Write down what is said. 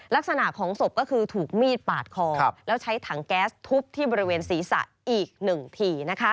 ลักษณะของศพก็คือถูกมีดปาดคอแล้วใช้ถังแก๊สทุบที่บริเวณศีรษะอีก๑ที